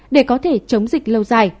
để có thể chống dịch